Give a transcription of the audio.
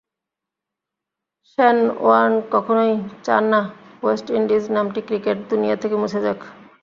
Shane Warne কখনোই চাননা West Indies নামটি ক্রিকেট দুনিয়া থেকে মুছে যাক।